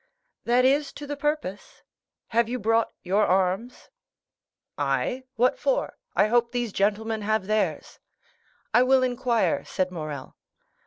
"That is to the purpose. Have you brought your arms?" "I?—what for? I hope these gentlemen have theirs." "I will inquire," said Morrel.